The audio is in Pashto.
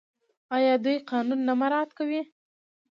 آیا دوی قانون نه مراعات کوي؟